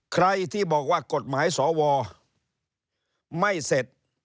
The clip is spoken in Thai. ใครที่บอกว่ากฎหมายสวไม่เสร็จ